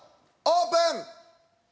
オープン！